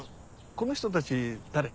この人たち誰？